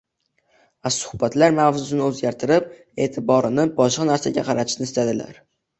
va suhbatlar mavzusini o‘zgartirib, eʼtiborlarini boshqa narsaga qaratishni istaydilar.